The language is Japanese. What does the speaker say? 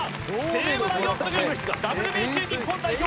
西武ライオンズ軍ＷＢＣ日本代表